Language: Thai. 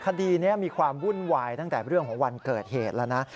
คดีนี้มีความวุ่นวายตั้งแต่เรื่องของวันเกิดเหตุแล้วนะ